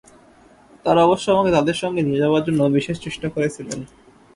তাঁরা অবশ্য আমাকে তাঁদের সঙ্গে নিয়ে যাবার জন্য বিশেষ চেষ্টা করেছিলেন।